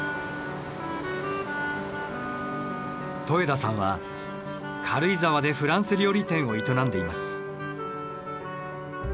戸枝さんは軽井沢でフランス料理店を営んでいます。